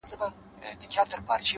بلا خبرې چي په زړه کي لکه ته پاتې دي;